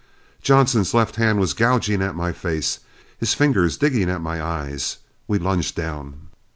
Johnson's left hand was gouging at my face, his fingers digging at my eyes. We lunged down.